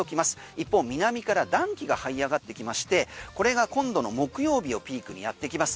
一方、南から暖気が這い上がってきましてこれが今度の木曜日をピークにやってきます。